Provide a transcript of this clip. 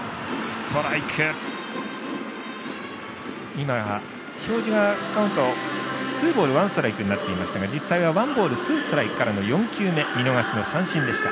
今、表示カウントがツーボール、ワンストライクになっていましたが実際はワンボール、ツーストライクから４球目、見逃しの三振でした。